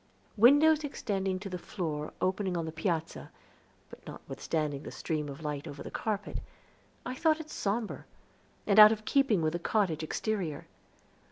Windows extending to the floor opening on the piazza, but notwithstanding the stream of light over the carpet, I thought it somber, and out of keeping with the cottage exterior.